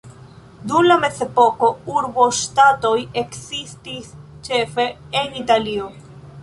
Dum la mezepoko urboŝtatoj ekzistis ĉefe en Italio.